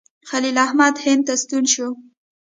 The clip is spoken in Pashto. خلیل احمد هند ته ستون شو.